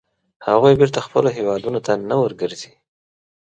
هغوی بېرته خپلو هیوادونو ته نه ورګرځي.